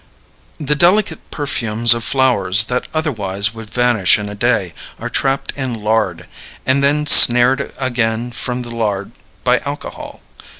The delicate perfumes of flowers that otherwise would vanish in a day are trapped in lard, and then snared again from the lard by alcohol.